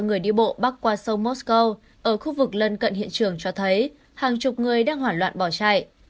người đi bộ bắc qua sông mosco ở khu vực lân cận hiện trường cho thấy hàng chục người đang hoảng loạn bỏ chạy